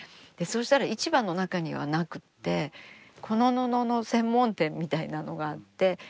したら市場の中にはなくてこの布の専門店みたいなのがあって。